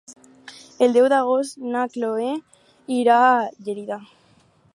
El deu d'agost na Chloé irà a Gelida.